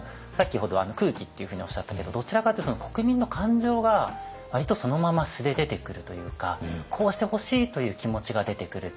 先ほど空気っていうふうにおっしゃったけどどちらかというと国民の感情が割とそのまま素で出てくるというかこうしてほしいという気持ちが出てくる。